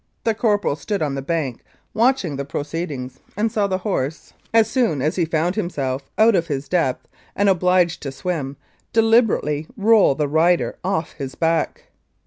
The corporal stood on the bank watching the proceedings, and saw the horse, R 265 Mounted Police Life in Canada as soon as he found himself out of his depth and obliged to swim, deliberately roll the rider off his back.